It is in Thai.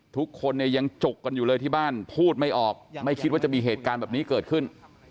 ทุกคนเนี่ยยังจุกกันอยู่เลยที่บ้านพูดไม่ออกไม่คิดว่าจะมีเหตุการณ์แบบนี้เกิดขึ้น